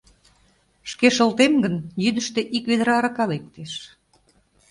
Шке шолтем гын, йӱдыштӧ ик ведра арака лектеш.